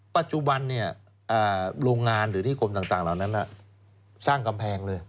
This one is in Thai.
ปัจจุบันโรงงานหรือนิคมต่างเหล่านั้นสร้างกำแพงเลย